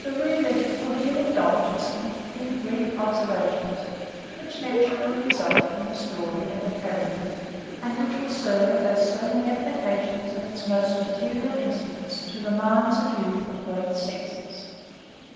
The reader will here indulge us in a few brief observations, which naturally result from the story and characters; and which will serve as so many applications of its most material incidents to the minds of YOUTH of BOTH SEXES.